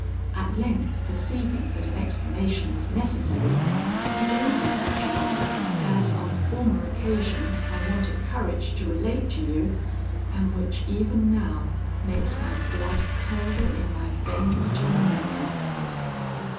At length perceiving that an explanation was necessary, he gave me such a one, as on a former occasion I wanted courage to relate to you, and which, even now, makes my blood curdle in my veins to remember."